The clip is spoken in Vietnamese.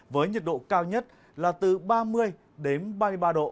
với nhiệt độ cao nhất là từ ba mươi đến ba mươi ba độ